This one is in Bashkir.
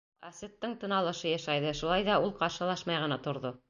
Асеттың тын алышы йышайҙы, шулай ҙа ул ҡаршылашмай ғына торҙо.